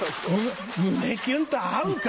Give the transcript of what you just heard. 胸キュンと合うか？